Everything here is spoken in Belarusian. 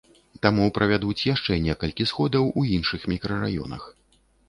Таму правядуць яшчэ некалькі сходаў у іншых мікрараёнах.